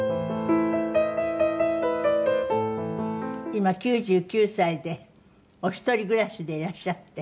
今９９歳でお一人暮らしでいらっしゃって。